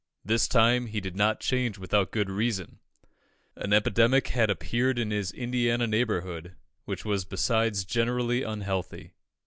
This time he did not change without good reason: an epidemic had appeared in his Indiana neighbourhood, which was besides generally unhealthy.